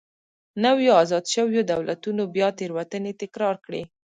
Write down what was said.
نویو ازاد شویو دولتونو بیا تېروتنې تکرار کړې.